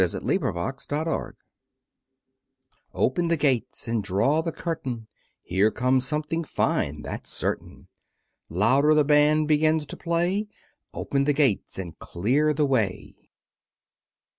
zip) THE CIRCUS PROCESSION Open the gates, and draw the curtain, Here comes something fine, that's certain; Louder the band begins to play, Open the gates, and clear the way!